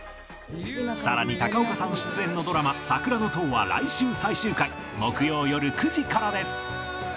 更に高岡さん出演のドラマ『桜の塔』は来週最終回木曜よる９時からです